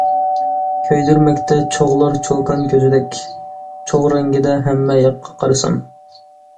كۆيدۈرمەكتە چوغلار چوكان كۆزىدەك، چوغ رەڭگىدە ھەممە ياققا قارىسام.